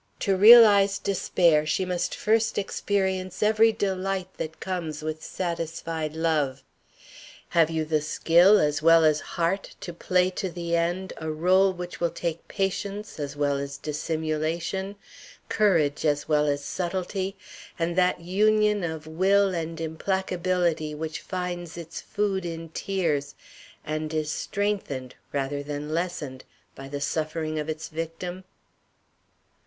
"To realize despair she must first experience every delight that comes with satisfied love. Have you the skill as well as heart to play to the end a rôle which will take patience as well as dissimulation, courage as well as subtlety, and that union of will and implacability which finds its food in tears and is strengthened, rather than lessened, by the suffering of its victim?"